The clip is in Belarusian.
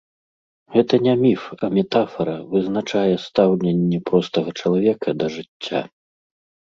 Гэта не міф, а метафара, вызначае стаўленне простага чалавека да жыцця.